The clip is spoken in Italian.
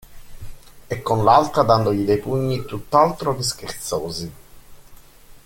E con l'altra dandogli dei pugni tutt'altro che scherzosi.